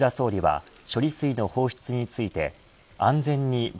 会談で岸田総理は処理水の放出について